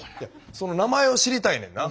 その名前を知りたいねんな。